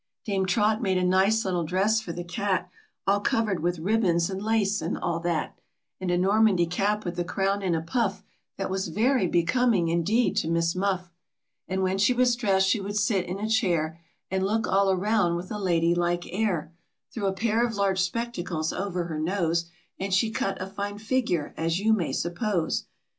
Dame Trot made a nice little dress for the cat, All covered with ribbons and lace, and all that, And a Normandy cap with the crown in a puff, That was very becoming indeed to Miss Muff. 2G0 DAME TROT AND HER COMICAL CAT. And when she was dressed she would sit in a chair, And look all around with a ladylike air, Through a pair of large spectacles over her nose, And she cut a fine figure, as you may suppose.